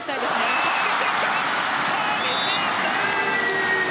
サービスエースだ。